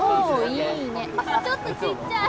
ちょっとちっちゃい！